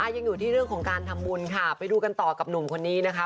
ยังอยู่ที่เรื่องของการทำบุญค่ะไปดูกันต่อกับหนุ่มคนนี้นะคะ